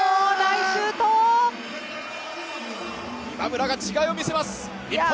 今村が違いを見せます、日本！